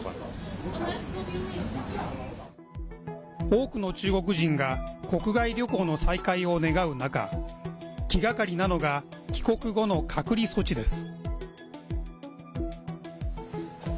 多くの中国人が国外旅行の再開を願う中気がかりなのが帰国後の隔離措置です。